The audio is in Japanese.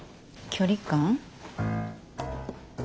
距離感。